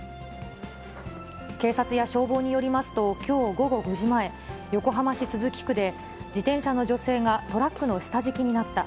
警察や消防によりますと、きょう午後５時前、横浜市都筑区で、自転車の女性がトラックの下敷きになった。